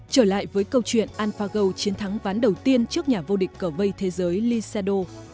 trở lại với câu chuyện alphago chiến thắng ván đầu tiên trước nhà vô địch cờ vây thế giới lisedor